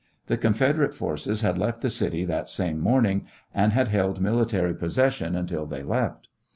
The Confederate forces had left the city that same morning, and had held military possession until they left.